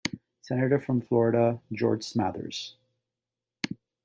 Senator from Florida, George Smathers.